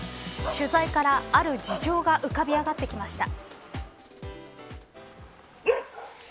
取材からある事情が浮かび上がってきました。